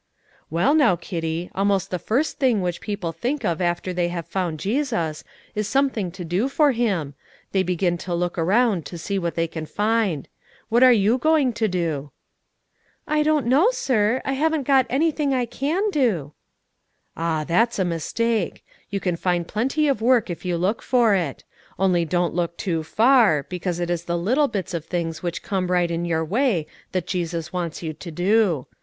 "Well, now, Kitty, almost the first thing which people think of after they have found Jesus, is something to do for Him; they begin to look around to see what they can find. What are you going to do?" "I don't know, sir; I haven't got anything I can do." "Ah, that's a mistake! you can find plenty of work if you look for it; only don't look too far, because it is the little bits of things which come right in your way that Jesus wants you to do.